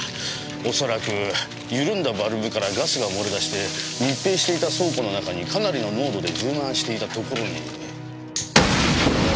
恐らく緩んだバルブからガスが漏れ出して密閉していた倉庫の中にかなりの濃度で充満していたところに。